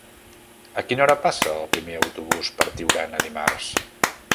A quina hora passa el primer autobús per Tiurana dimarts?